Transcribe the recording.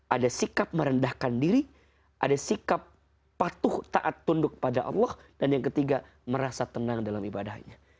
ada sikap merendahkan diri ada sikap patuh taat tunduk pada allah dan yang ketiga merasa tenang dalam ibadahnya